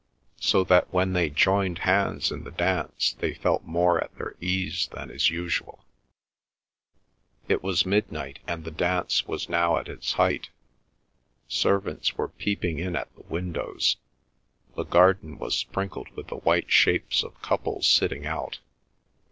So that when they joined hands in the dance they felt more at their ease than is usual. It was midnight and the dance was now at its height. Servants were peeping in at the windows; the garden was sprinkled with the white shapes of couples sitting out.